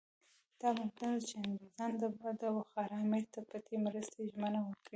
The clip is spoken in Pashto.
دا ممکنه ده چې انګریزان به د بخارا امیر ته پټې مرستې ژمنه ورکړي.